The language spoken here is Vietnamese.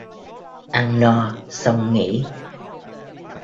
Ăn no, xong nghĩ